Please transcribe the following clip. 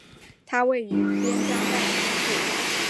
它位于边疆带的中部。